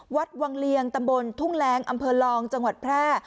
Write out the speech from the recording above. วัดวังเลียงตำบลทุ่งแรงอำเภอลองจังหวัดแพร่